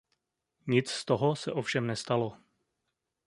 Nic z toho se ovšem nestalo.